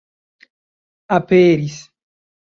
aperis